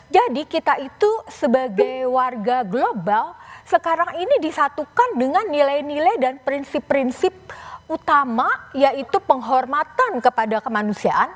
jadi kita itu sebagai warga global sekarang ini disatukan dengan nilai nilai dan prinsip prinsip utama yaitu penghormatan kepada kemanusiaan